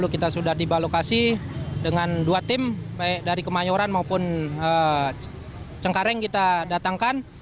dua puluh dua tiga puluh kita sudah di balokasi dengan dua tim baik dari kemayoran maupun cengkareng kita datangkan